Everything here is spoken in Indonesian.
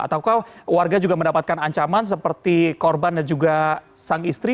ataukah warga juga mendapatkan ancaman seperti korban dan juga sang istri